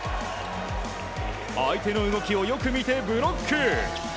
相手の動きをよく見てブロック。